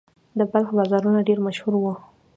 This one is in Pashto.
د بلخ بازارونه ډیر مشهور وو